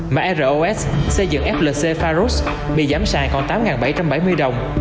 mà ros xây dựng flc farus bị giảm sàng còn tám bảy trăm bảy mươi đồng